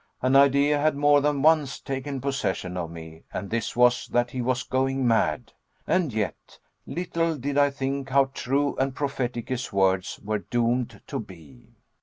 An idea had more than once taken possession of me; and this was, that he was going mad. And yet, little did I think how true and prophetic his words were doomed to be.